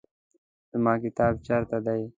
زما کتاب چیرته دی؟